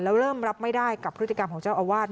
แล้วเริ่มรับไม่ได้กับพฤติกรรมของเจ้าอาวาส